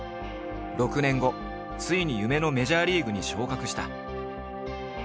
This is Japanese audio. ６年後ついに夢のメジャーリーグに昇格した。